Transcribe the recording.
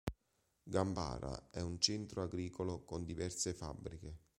Gambara è un centro agricolo con diverse fabbriche.